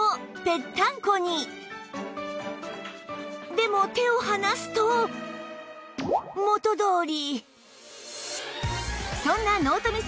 でも手を離すと元どおり